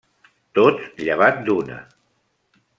Tots llevat d'una.